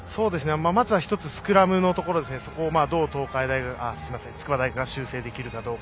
まず１つスクラムのところそこをどう筑波大学が修正できるかどうか。